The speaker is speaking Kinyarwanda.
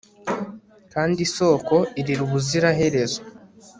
kandi isoko irira ubuziraherezo